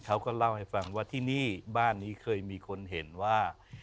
เขาก็เล่าให้ฟังว่าที่นี่บ้านนี้เคยมีคนเห็นว่า